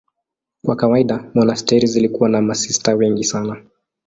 Kwa kawaida monasteri zilikuwa na masista wengi sana.